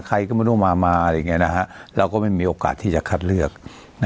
ใครก็ไม่รู้มาอะไรอย่างนี้เราก็ไม่มีโอกาสที่จะคัดเลือก